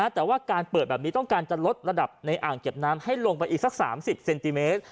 แต่ว่าการเปิดแบบนี้ต้องการจะลดระดับในอ่างเก็บน้ำให้ลงไปอีกสัก๓๐เซนติเมตร